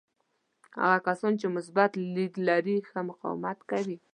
هغه کسان چې مثبت لید لري ښه مقاومت کوي.